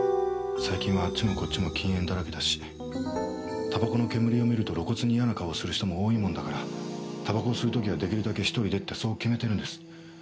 最近はあっちもこっちも禁煙だらけだしたばこの煙を見ると露骨に嫌な顔をする人も多いもんだからたばこを吸う時は出来るだけ１人でってそう決めてるんです。